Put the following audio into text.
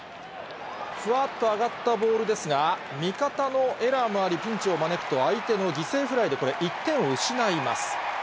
ふわっと上がったボールですが、味方のエラーもあり、ピンチを招くと、相手の犠牲フライでこれ、１点を失います。